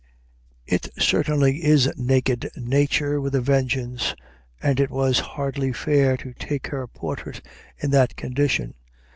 It certainly is naked Nature with a vengeance, and it was hardly fair to take her portrait in that condition.